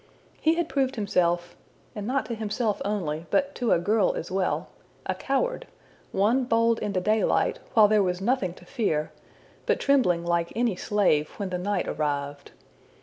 He had proved himself and not to himself only, but to a girl as well a coward! one bold in the daylight, while there was nothing to fear, but trembling like any slave when the night arrived.